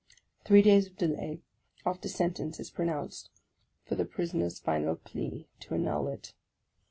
Three days of delay, after sentence is pronounced, for the prisoner's final plea to annul it.